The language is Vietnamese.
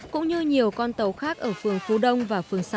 cũng như nhiều con tàu khác ở phường phú đông và phường sáu